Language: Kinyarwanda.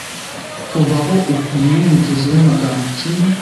kuva aho uhunga umugezi wamagambo kimwe